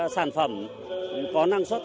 sản phẩm có năng suất